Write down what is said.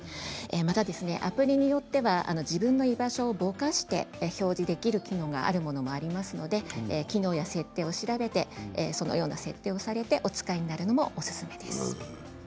またアプリによっては自分の居場所をぼかして表示できる機能があるものもありますので機能や設定を調べてそのような設定をされてお使いになるのもおすすめです。